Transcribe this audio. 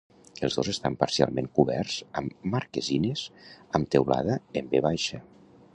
Els dos estan parcialment coberts amb marquesines amb teulada en ve baixa.